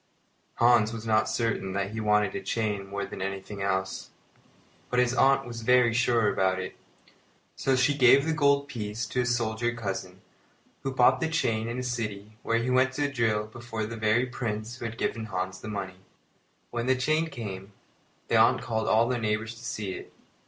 Hans was not certain that he wanted a chain more than anything else, but his aunt was very sure about it; so she gave the gold piece to a soldier cousin, who bought the chain in a city where he went to drill before the very Prince who had given Hans the money. When the chain came, the aunt called all the neighbours to see it.